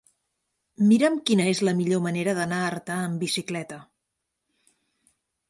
Mira'm quina és la millor manera d'anar a Artà amb bicicleta.